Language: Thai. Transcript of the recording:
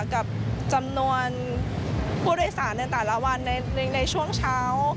กับจำนวนผู้โดยสารในแต่ละวันในช่วงเช้า